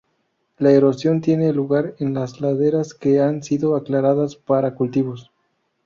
La Erosión tiene lugar en las laderas que han sido aclaradas para cultivos